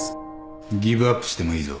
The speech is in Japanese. ギブアップしてもいいぞ。